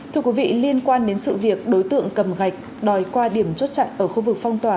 thưa quý vị liên quan đến sự việc đối tượng cầm gạch đòi qua điểm chốt chặn ở khu vực phong tỏa